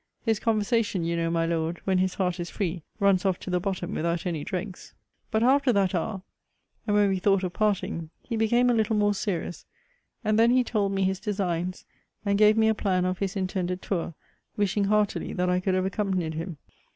His conversation, you know, my Lord, when his heart is free, runs off to the bottom without any dregs. But after that hour, and when we thought of parting, he became a little more serious: and then he told me his designs, and gave me a plan of his intended tour; wishing heartily that I could have accompanied him.